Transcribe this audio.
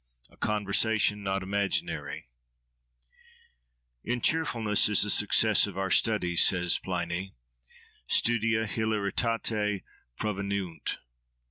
A CONVERSATION NOT IMAGINARY In cheerfulness is the success of our studies, says Pliny—studia hilaritate proveniunt.